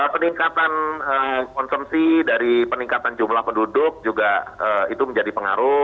peningkatan konsumsi dari peningkatan jumlah penduduk juga itu menjadi pengaruh